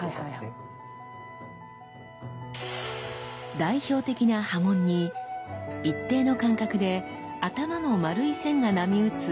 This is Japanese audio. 代表的な刃文に一定の間隔で頭の丸い線が波打つ